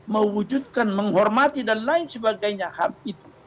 mewujudkan menghormati dan lain sebagainya ham itu